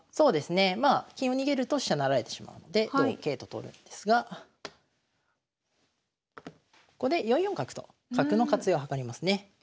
金を逃げると飛車成られてしまうので同桂と取るんですがここで４四角と角の活用はかりますね。